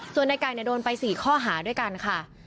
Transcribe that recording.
ส่วนในไก่โดนไป๔ข้อหาด้วยกันค่ะ